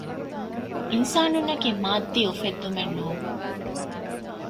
އިންސާނުންނަކީ މާއްދީ އުފެއްދުމެއްނޫން